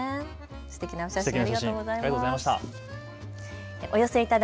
すてきなお写真ありがとうございました。